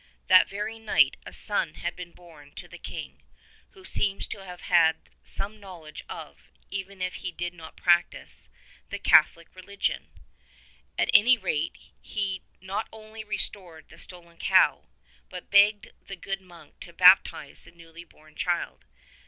That very night a son had been born to the king — who seems to have had some knowledge of, even if he did not practise, the Catholic religion. At any rate he not only restored the stolen cow, but begged the good monk to baptize the newly born child.